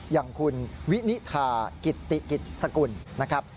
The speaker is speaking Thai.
อย่างคุณวินิทากิตติกิจสกุลนะครับ